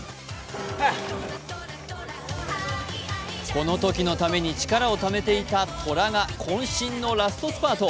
このときのために力をためていた虎がこん身のラストスパート。